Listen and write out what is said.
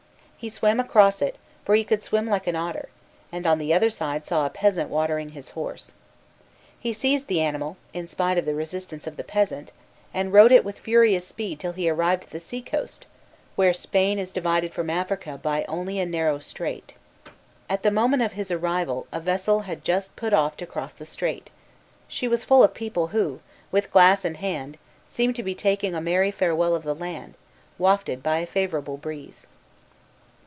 He swam across it, for he could swim like an otter, and on the other side saw a peasant watering his horse. He seized the animal, in spite of the resistance of the peasant, and rode it with furious speed till he arrived at the sea coast, where Spain is divided from Africa by only a narrow strait. At the moment of his arrival a vessel had just put off to cross the strait. She was full of people who, with glass in hand, seemed to be taking a merry farewell of the land, wafted by a favorable breeze.